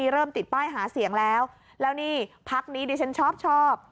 เริ่มติดป้ายหาเสียงแล้วแล้วนี่พักนี้ดิฉันชอบ